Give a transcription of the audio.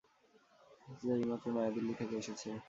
যে এইমাত্র নয়াদিল্লি থেকে এসেছে।